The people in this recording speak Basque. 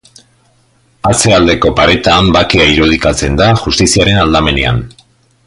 Atzealdeko paretan, Bakea irudikatzen da Justiziaren aldamenean.